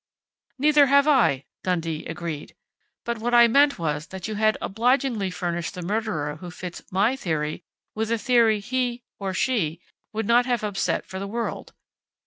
"Neither have I," Dundee agreed. "But what I meant was that you had obligingly furnished the murderer who fits my theory with a theory he or she would not have upset for the world!...